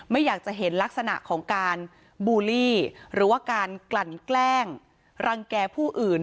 ไม่อยากจะเห็นลักษณะของการบูลลี่หรือว่าการกลั่นแกล้งรังแก่ผู้อื่น